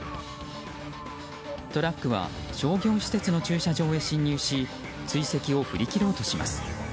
トラックは商業施設の駐車場に侵入し追跡を振り切ろうとします。